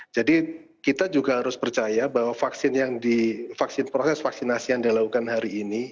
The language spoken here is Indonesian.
jadi kita juga harus percaya bahwa proses vaksinasi yang dilakukan hari ini